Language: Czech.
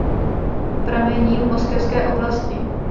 Pramení v Moskevské oblasti.